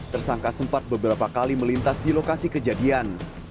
tersangka sempat beberapa kali melintas di lokasi kejadian